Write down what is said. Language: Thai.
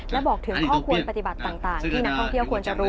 และบอกถึงข้อควรปฏิบัติต่างที่นักท่องเที่ยวควรจะรู้